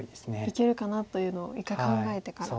いけるかなというのを一回考えてから。